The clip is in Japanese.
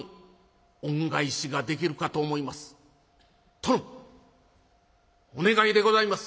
殿お願いでございます。